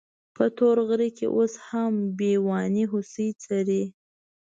په تور غره کې اوس هم بېواني هوسۍ څري.